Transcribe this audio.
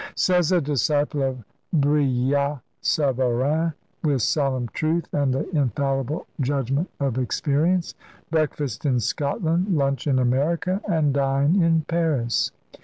Says a disciple of Brillat Savarin, with solemn truth and the infallible judgment of experience, "Breakfast in Scotland, lunch in America, and dine in Paris."